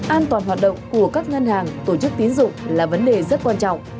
an toàn hoạt động của các ngân hàng tổ chức tiến dụng là vấn đề rất quan trọng